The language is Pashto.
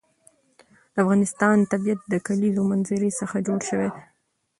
د افغانستان طبیعت له د کلیزو منظره څخه جوړ شوی دی.